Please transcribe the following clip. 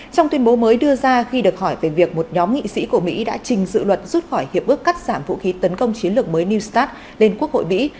trong tuyên bố mới đưa ra khi được hỏi về việc một nhóm nghị sĩ của mỹ đã trình dự luật rút khỏi hiệp ước cắt giảm vũ khí tấn công chiến lược mới new start lên quốc hội mỹ